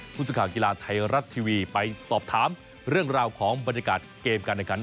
โศษกาลกีฬาไทยรัตทีวีไปสอบถามเรื่องราวของบรรยากาศเกมกันในกัน